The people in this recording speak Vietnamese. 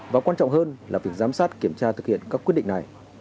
và quan trọng hơn là việc giám sát kiểm tra thực hiện các quyết định này